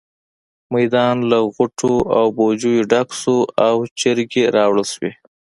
میدان له غوټو او بوجيو ډک شو او چرګې راوړل شوې.